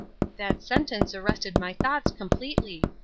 That sentence arrested my thoughts completely.